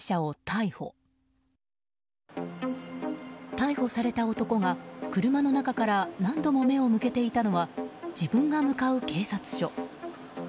逮捕された男が、車の中から何度も目を向けていたのは自分が向かう警察署。